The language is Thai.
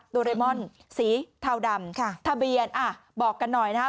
โดเรมอนสีเทาดำค่ะทะเบียนอ่ะบอกกันหน่อยนะฮะ